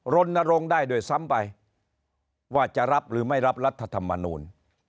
รณรงค์ได้ด้วยซ้ำไปว่าจะรับหรือไม่รับรัฐธรรมนูล